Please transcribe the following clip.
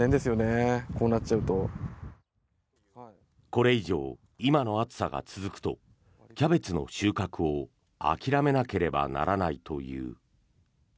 これ以上、今の暑さが続くとキャベツの収穫を諦めなければならないという。